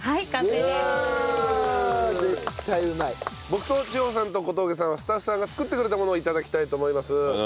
僕と千穂さんと小峠さんはスタッフさんが作ってくれたものを頂きたいと思います。